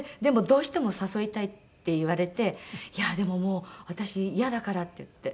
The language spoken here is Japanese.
「どうしても誘いたい」って言われて「いやでももう私イヤだから」って言って。